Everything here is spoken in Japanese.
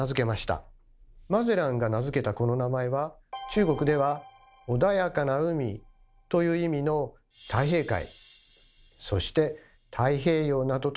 マゼランが名付けたこの名前は中国では「穏やかな海」という意味の「太平海」そして「太平洋」などと訳されました。